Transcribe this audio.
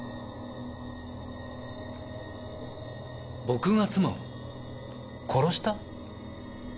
僕が妻を殺した？